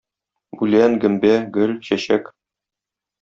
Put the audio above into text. Үлән, гөмбә, гөл, чәчәк.